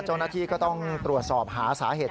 เจ้าหน้าที่ก็ต้องตรวจสอบหาสาเหตุ